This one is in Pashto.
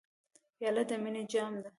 پیاله د مینې جام ده.